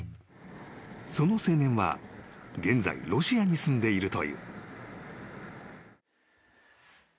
［その青年は現在ロシアに住んでいるという］